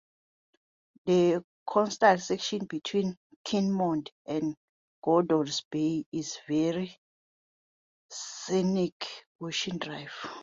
The coastal section between Kleinmond and Gordon's Bay is a very scenic ocean drive.